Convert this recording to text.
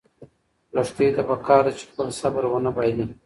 لښتې ته پکار ده چې خپل صبر ونه بایلي.